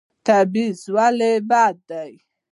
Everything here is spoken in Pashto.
تبعیض ولې بد دی؟